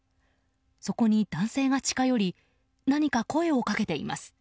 そこに、男性が近寄り何か声をかけています。